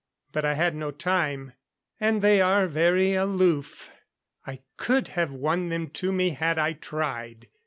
But I had no time, and they are very aloof. I could have won them to me had I tried."